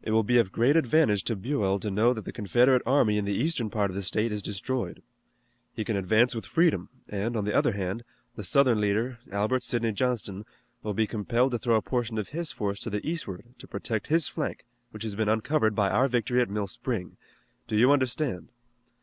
It will be of great advantage to Buell to know that the Confederate army in the eastern part of the state is destroyed. He can advance with freedom and, on the other hand, the Southern leader, Albert Sidney Johnston, will be compelled to throw a portion of his force to the eastward to protect his flank which has been uncovered by our victory at Mill Spring. Do you understand?"